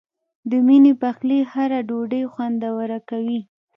د مینې پخلی هره ډوډۍ خوندوره کوي.